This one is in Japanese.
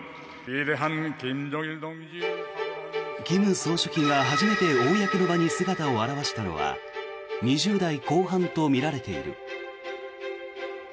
金総書記が初めて公の場に姿を現したのは２０代後半とみられている。